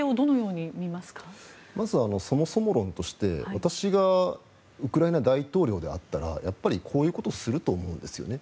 まずは、そもそも論として私がウクライナ大統領であったらこういうことをすると思うんですよね。